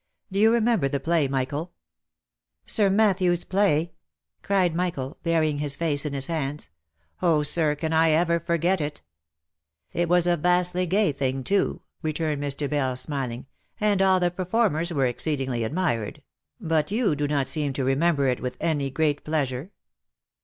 Do you remember the play, Michael ?"" Sir Matthew's play ?" cried Michael, burying his face in his hands. Oh, sir ! can T ever forget it V 9 " It was a vastly gay thing, too," returned Mr. Bell, smiling, " and all the performers were exceedingly admired ; but you do not seem to remember it with any great pleasure